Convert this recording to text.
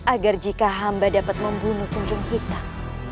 agar jika hamba dapat membunuh kunjung hitam